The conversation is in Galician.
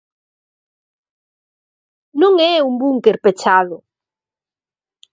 ¡Non é un búnker pechado!